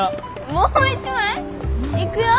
もう一枚？いくよ。